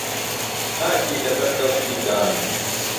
پاکی له بهر دهستی دان